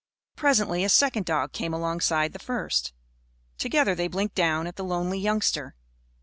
Presently a second dog came alongside the first. Together they blinked down at the lonely youngster.